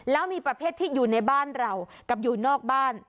แล้วมีประเภทที่อยู่ในบ้านเรากับอยู่นอกบ้าน